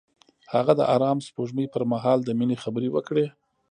هغه د آرام سپوږمۍ پر مهال د مینې خبرې وکړې.